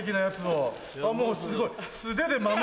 もうすごい。